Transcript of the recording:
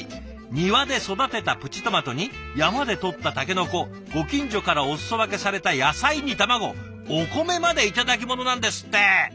庭で育てたプチトマトに山で採ったタケノコご近所からお裾分けされた野菜に卵お米まで頂き物なんですって！